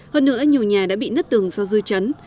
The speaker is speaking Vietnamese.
hơn nữa nhiều nhà đã bị nứt tường do dư chấn